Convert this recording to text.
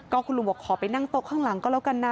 คุณลุงบอกขอไปนั่งโต๊ะข้างหลังก็แล้วกันนะ